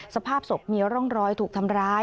สภาพศพมีร่องรอยถูกทำร้าย